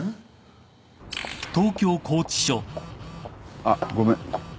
あっごめん。